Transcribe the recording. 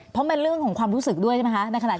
เพราะมันเรื่องความรู้สึกด้วยนะคะ